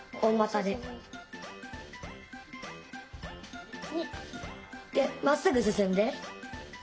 でまっすぐすすんで。